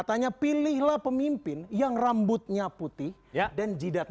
mbak bisa dicari kedel nos is dengan bibir yang bisa dikerti itu silahkan itu memang bukan semua itu